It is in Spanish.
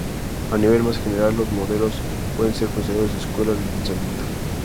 Al nivel más general los modelos pueden ser considerados "escuelas" del pensamiento.